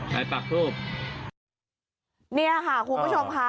ใช้ปากทูบเนี่ยค่ะคุณผู้ชมค่ะ